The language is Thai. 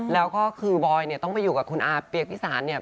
แล้วก็คือบอยเนี่ยต้องไปอยู่กับคุณอาเปียกพิสารเนี่ย